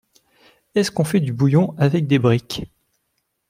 Est-ce qu’on fait du bouillon avec des briques ?